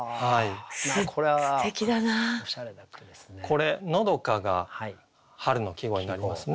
これ「のどか」が春の季語になりますね。